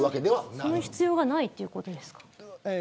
その必要がないということですか。